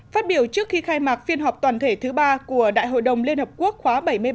phát biểu trước khi khai mạc phiên họp toàn thể thứ ba của đại hội đồng liên hợp quốc khóa bảy mươi ba